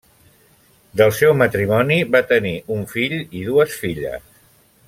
Del seu matrimoni va tenir un fill i dues filles.